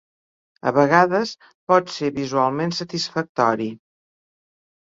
A vegades pot ser visualment satisfactori.